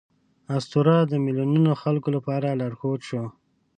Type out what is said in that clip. اسطوره د میلیونونو خلکو لپاره لارښود شو.